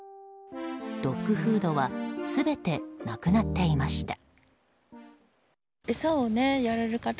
ドッグフードは全てなくなっていました。